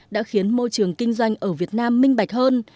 đã khiến môi trường kinh doanh ở việt nam minh bạch hơn